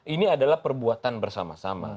ini adalah perbuatan bersama sama